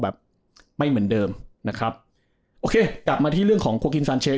แบบไม่เหมือนเดิมนะครับโอเคกลับมาที่เรื่องของโคกินซานเชฟ